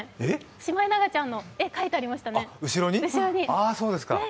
シマエナガちゃんの絵が描いてありましたね。